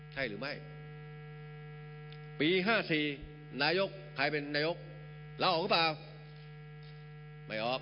ใช่หรือไม่ปี๕๔นายกใครเป็นนายกลาออกหรือเปล่าไม่ออก